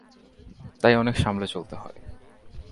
তাই অনেক সামলে চলতে হয়।